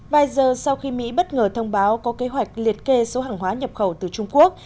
vài giờ sau khi mỹ bất ngờ thông báo có kế hoạch liệt kê số hàng hóa nhập khẩu từ trung quốc